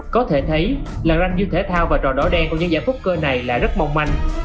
có thể thấy là ranh dư thể thao và trò đỏ đen của những giải phúc cơ này là rất mong manh